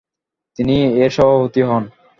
তিনি এর সভাপতি হন।